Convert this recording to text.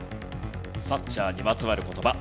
サッチャーにまつわる言葉。